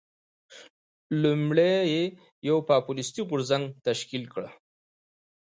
لومړی یو پوپلیستي غورځنګ تشکیل کړ.